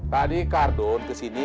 tadi kardun kesini